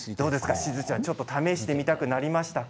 しずちゃん試してみたくなりましたか？